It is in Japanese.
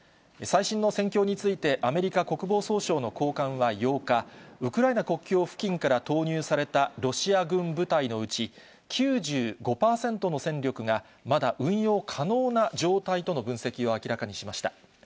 最新の戦況について、アメリカ国防総省の高官は８日、ウクライナ国境付近から投入されたロシア軍部隊のうち、９５％の戦力が、まだ運用可能な状態との分析を明らかにしました。